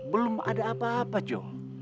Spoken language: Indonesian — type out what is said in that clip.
belum ada apa apa jo